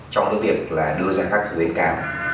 trong cái việc là đưa ra các khuyến khám